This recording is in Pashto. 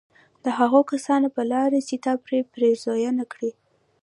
د هغو كسانو په لار چي تا پرې پېرزوينه كړې